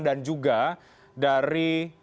dan juga dari